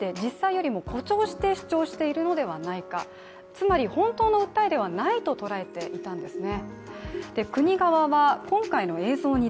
つまり本当の訴えではないと捉えていたんですね。